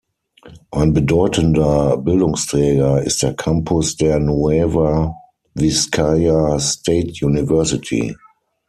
Ein bedeutender Bildungsträger ist der Campus der Nueva Vizcaya State University.